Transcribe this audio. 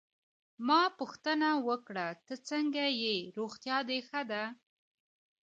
ما پوښتنه وکړه: ته څنګه ېې، روغتیا دي ښه ده؟